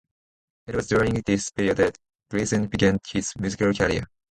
It was during this period that Gleason began his musical career.